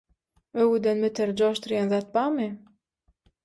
Öwgüden beter joşdurýan zat barmy?!